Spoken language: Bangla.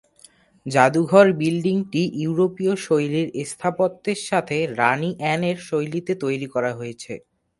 জাদুঘর বিল্ডিংটি ইউরোপীয়-শৈলীর স্থাপত্যের সাথে রাণী অ্যানের শৈলীতে তৈরি করা হয়েছে।